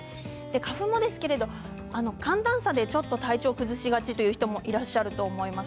花粉もですけれど寒暖差でちょっと体調を崩しやすいという方もいらっしゃると思います。